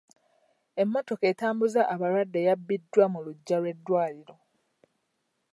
Emmotoka etambuza abalwadde yabbiddwa mu luggya lw'eddwaliro.